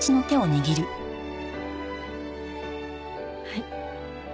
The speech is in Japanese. はい。